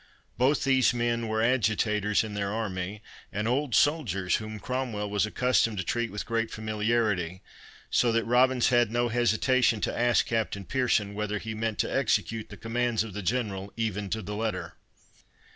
Both these men were adjutators in their army, and old soldiers, whom Cromwell was accustomed to treat with great familiarity; so that Robins had no hesitation to ask Captain Pearson, "Whether he meant to execute the commands of the General, even to the letter?"